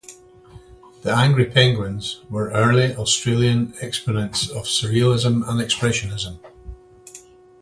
The Angry Penguins were early Australian exponents of surrealism and expressionism.